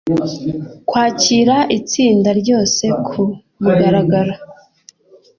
kwakira itsinda ryose ku mugaragaro